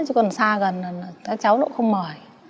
chứ còn xa gần là các cháu cũng không mời